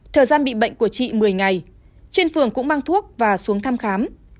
thời gian bị bệnh của chị một mươi ngày trên phường cũng mang thuốc và xuống thăm khám